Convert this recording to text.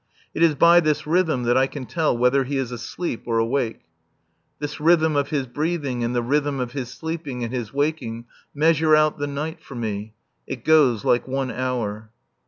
It is by this rhythm that I can tell whether he is asleep or awake. This rhythm of his breathing, and the rhythm of his sleeping and his waking measure out the night for me. It goes like one hour.